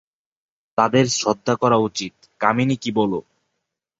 তাদের শ্রদ্ধা করা উচিত, কামিনী কী বলো?